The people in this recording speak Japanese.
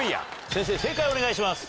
先生、正解お願いします。